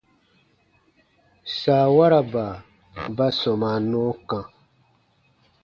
Saawaraba ba sɔmaa nɔɔ kã.